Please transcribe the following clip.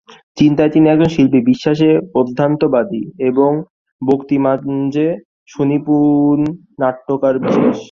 চিন্তায় তিনি একজন শিল্পী, বিশ্বাসে অধ্যাত্মবাদী এবং বক্তৃতামঞ্চে সুনিপুণ নাট্যকার বিশেষ।